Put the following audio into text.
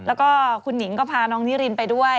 แล้วก็คุณหนิงก็พาน้องนิรินไปด้วย